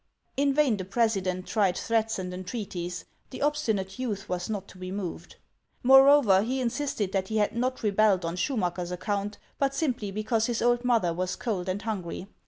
In vain the president tried threats and entreaties ; the obstinate youth was not to be moved. Moreover, he insisted that he had not re belled on Schuraacker's account, but simply because his old mother was cold and hungry.